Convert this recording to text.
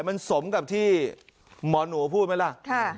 มันสมกับที่หมอหนูพูดไหมล่ะ